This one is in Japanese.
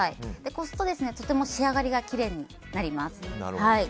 こすと、とても仕上がりがきれいになります。